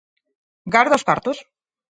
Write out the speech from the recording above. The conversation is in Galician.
Garda os cartos.